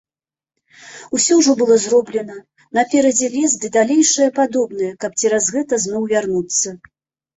Усё ўжо было зроблена, наперадзе лес ды далейшае падобнае, каб цераз гэта зноў вярнуцца.